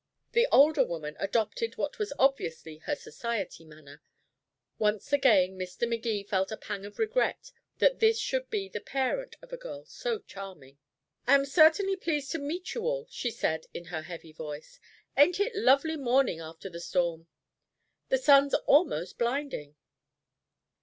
The older woman adopted what was obviously her society manner. Once again Mr. Magee felt a pang of regret that this should be the parent of a girl so charming. "I certainly am pleased to meet you all," she said in her heavy voice. "Ain't it a lovely morning after the storm? The sun's almost blinding."